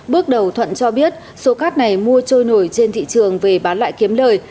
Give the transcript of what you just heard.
bước đầu thuận cho biết số cát này mua trôi nổi trên thị trường về bán lại kiếm lời